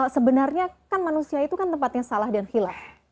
sebenarnya kan manusia itu kan tempatnya salah dan hilah